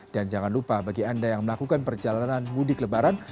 dan jangan lupa bagi anda yang melakukan perjalanan mudik lebaran